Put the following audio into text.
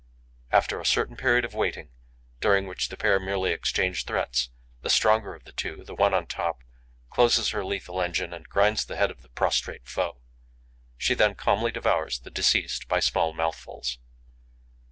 After a certain period of waiting, during which the pair merely exchange threats, the stronger of the two, the one on top, closes her lethal engine and grinds the head of the prostrate foe. Then she calmly devours the deceased by small mouthfuls.